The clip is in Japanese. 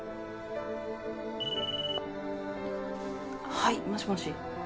はいもしもし。